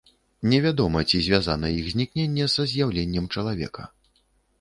Не вядома, ці звязана іх знікненне са з'яўленнем чалавека.